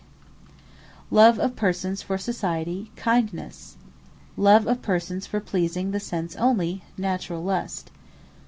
Kindnesse Love of Persons for society, KINDNESSE. Naturall Lust Love of Persons for Pleasing the sense onely, NATURAL LUST.